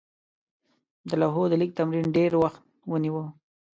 د لوحو د لیک تمرین ډېر وخت ونیوه.